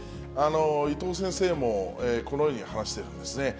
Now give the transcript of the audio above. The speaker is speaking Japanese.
伊藤先生も、このように話してるんですね。